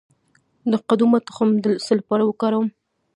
د قدومه تخم د څه لپاره وکاروم؟